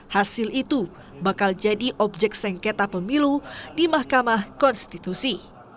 hasil itu bakal jadi objek sengketa pemilu di mahkamah konstitusi